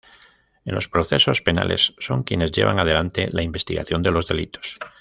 En los procesos penales, son quienes llevan adelante la investigación de los delitos.